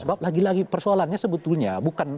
sebab lagi lagi persoalannya sebetulnya bukan